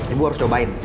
ibu harus cobain